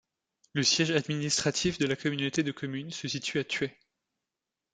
Le siège administratif de la communauté de communes se situe à Thueyts.